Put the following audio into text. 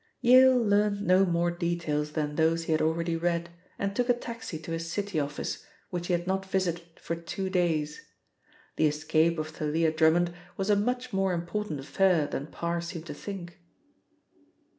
YALE learnt no more details than those he had already read, and took a taxi to his city office, which he had not visited for two days. The escape of Thalia Drummond was a much more important affair than Parr seemed to think.